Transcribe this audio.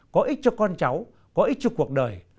có ích cho con cháu có ích cho cuộc đời